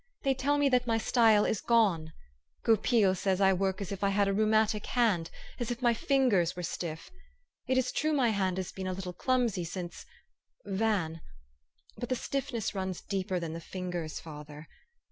They tell me that my style is gone. Goupil says I work as if I had a rheumatic hand as if my fingers were stiff. It is true my hand has been a little clumsy since Van But the stiffness runs deeper than the fingers, father.